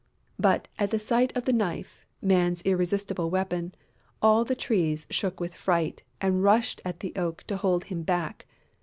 But, at the sight of the knife, Man's irresistible weapon, all the Trees shook with fright and rushed at the Oak to hold him back.